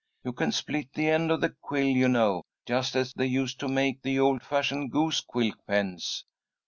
You can split the end of the quill, you know, just as they used to make the old fashioned goose quill pens."